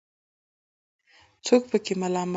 څوک پکې ملامت کړم.